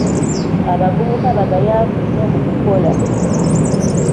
Abavubuka bagayaavu nnyo mu kukola.